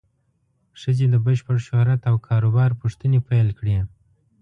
ښځې د بشپړ شهرت او کار و بار پوښتنې پیل کړې.